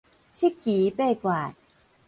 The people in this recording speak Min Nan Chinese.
七奇八怪